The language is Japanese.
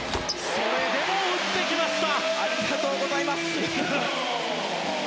それでも打ってきました！